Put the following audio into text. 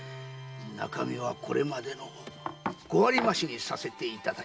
中身はこれまでの五割増しにさせていただきました。